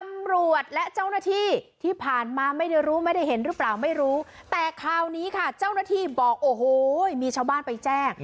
ตำรวจและเจ้าหน้าที่ที่ผ่านมาไม่ได้รู้ไม่ได้เห็นหรือเปล่าไม่รู้แต่คราวนี้ค่ะเจ้าหน้าที่บอกโอ้โหมีชาวบ้านไปแจ้ง